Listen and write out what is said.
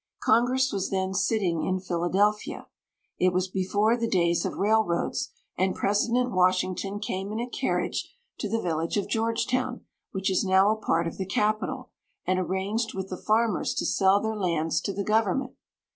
Congress was then sitting in Philadelphia. It was be fore the days of railroads, and President Washington came in a carriage to the village of Georgetown, which is now a part of the capital, and arranged with the farmers to sell their lands to the government.